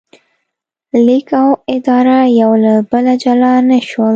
لیک او اداره یو له بله جلا نه شول.